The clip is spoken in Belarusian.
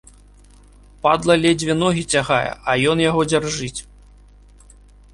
Падла ледзьве ногі цягае, а ён яго дзяржыць.